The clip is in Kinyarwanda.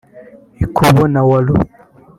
Ikobo na Waloa